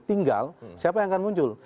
tinggal siapa yang akan muncul